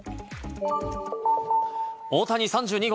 大谷３２号。